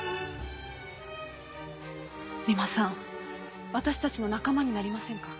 三馬さん私たちの仲間になりませんか？